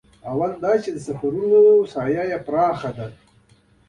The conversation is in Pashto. لومړی دا چې د سفرونو ساحه یې پراخه ده.